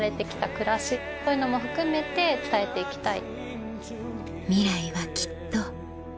暮らしそういうのも含めて伝えていきたい。